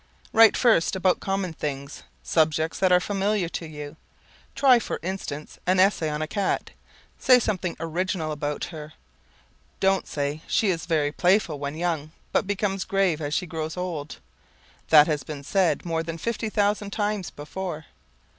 Write first about common things, subjects that are familiar to you. Try for instance an essay on a cat. Say something original about her. Don't say "she is very playful when young but becomes grave as she grows old." That has been said more than fifty thousand times before.